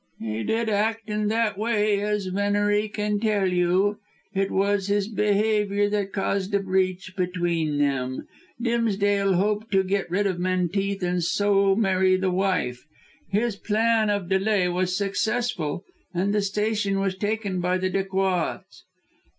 "He did act in that way, as Venery can tell you. It was his behaviour that caused a breach between them. Dimsdale hoped to get rid of Menteith and so marry the wife. His plan of delay was successful, and the station was taken by the Dacoits.